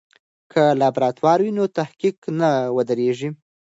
که لابراتوار وي نو تحقیق نه ودریږي.